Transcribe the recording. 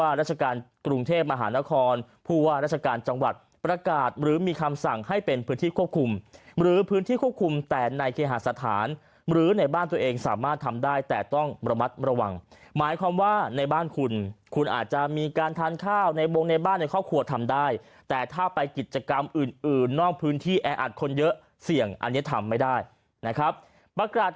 การมั่นคงเรื่องการห้ามชมนุมทำกิจกรรมการมั่นคงเรื่องการห้ามชมนุมทำกิจกรรมการมั่นคงเรื่องการแพร่ระบาดของโรคโควิด๑๙ที่ก่อให้เกิดการแพร่ระบาดของโรคโควิด๑๙ที่ก่อให้เกิดการแพร่ระบาดของโรคโควิด๑๙ที่ก่อให้เกิดการแพร่ระบาดของโรคโควิด๑๙ที่ก่อให้เกิดการแพร่ระบาดของโรคโควิด๑๙ท